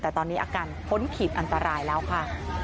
แต่ตอนนี้อาการพ้นขีดอันตรายแล้วค่ะ